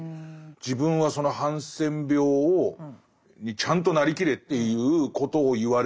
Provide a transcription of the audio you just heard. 自分はそのハンセン病にちゃんとなりきれっていうことを言われてる。